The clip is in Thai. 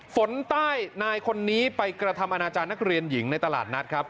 ฝนใต้นายคนนี้ไปกระทำอนาจารย์นักเรียนหญิงในตลาดนัดครับ